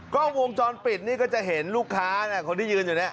กล้องวงจรปิดนี่ก็จะเห็นลูกค้าคนที่ยืนอยู่เนี่ย